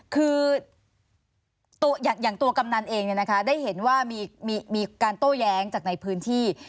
คือตัวก้ำนันเองเนี่ยนะคะได้เห็นว่ามีการโต้แย้งจากในพื้นที่